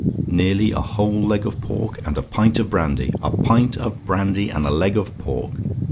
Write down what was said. "Nearly a whole leg of pork and a pint of brandy! A pint of brandy and a leg of pork.